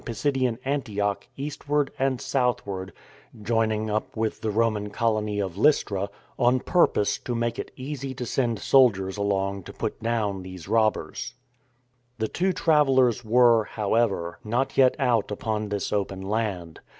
132 THE FORWARD TREAD [(joining up with the Roman colony of Lystra) on purpose to make it easy to send soldiers along to put down these robbers. The two travellers were, however, not yet out upon this open land.